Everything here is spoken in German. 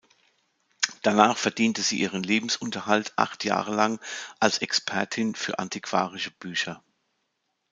Danach verdiente sie ihren Lebensunterhalt acht Jahre lang als Expertin für antiquarische Bücher.